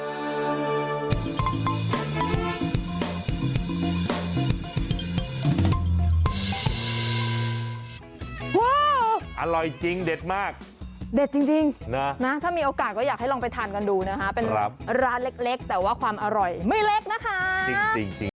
โอ้โหอร่อยจริงเด็ดมากเด็ดจริงนะถ้ามีโอกาสก็อยากให้ลองไปทานกันดูนะคะเป็นร้านเล็กแต่ว่าความอร่อยไม่เล็กนะคะจริง